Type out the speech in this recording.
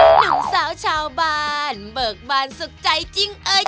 หนุ่มสาวชาวบ้านเบิกบานสุขใจจริงเอ้ย